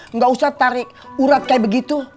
nggak usah tarik urat kayak begitu